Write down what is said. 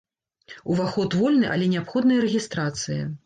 Уваход вольны, але неабходная рэгістрацыя.